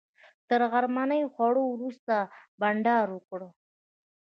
تر غرمنۍ خوړلو وروسته بانډار وکړ.